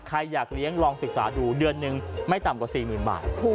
ใครอยากเลี้ยงลองศึกษาดูเดือนหนึ่งไม่ต่ำกว่า๔๐๐๐บาท